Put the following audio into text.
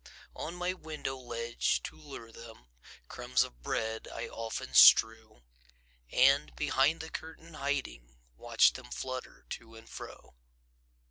On my window ledge, to lure them, Crumbs of bread I often strew, And, behind the curtain hiding, Watch them flutter to and fro.